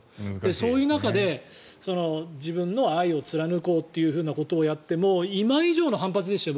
そういう中で自分の愛を貫こうということをやって今以上の反発でしたよ